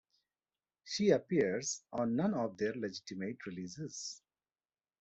She appears on none of their legitimate releases.